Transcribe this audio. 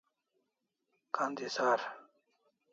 Ka'ndisar